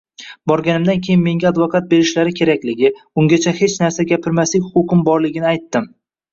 Borganimdan keyin menga advokat berishlari kerakligi, ungacha hech narsa gapirmaslik huquqim borligini aytdim.